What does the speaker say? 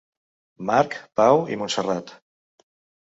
Marc, Pau i Montserrat.